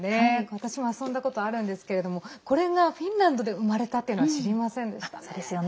私も遊んだことあるんですけれどもこれがフィンランドで生まれたっていうのは知りませんでしたね。